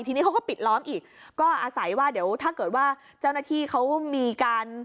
ทีนี้เขาก็ปิดล้อมอีกก็อาศัยว่าเดี๋ยวถ้าเกิดว่าเจ้าหน้าที่เขามีการ